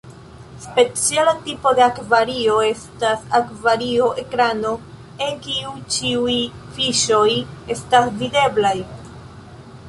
Speciala tipo de akvario estas akvario-ekrano en kiu ĉiuj fiŝoj estas videblaj.